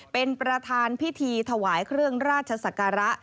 เป็นประธานพิธีถวายเครื่องราชศักระ